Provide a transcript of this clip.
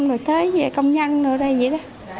thì tới về công nhân rồi đây vậy đó